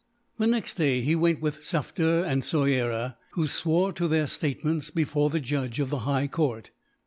The next day he went with Sufder and Soyera, who swore to their statements before the judge of the High Court.